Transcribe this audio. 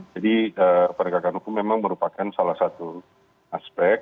jadi penegakan hukum memang merupakan salah satu aspek